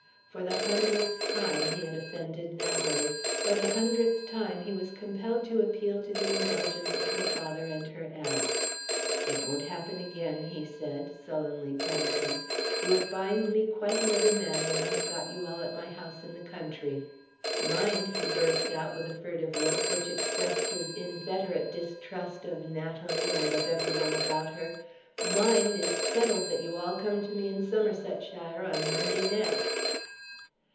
For the hundredth time he had offended Natalie. For the hundredth time he was compelled to appeal to the indulgence of her father and her aunt. "It won't happen again," he said, sullenly penitent. "You will find me quite another man when I have got you all at my house in the country. Mind!" he burst out, with a furtive look, which expressed his inveterate distrust of Natalie and of every one about her. "Mind! it's settled that you all come to me in Somersetshire, on Monday next."